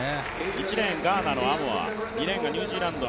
１レーン、ガーナ、２レーンがニュージーランド。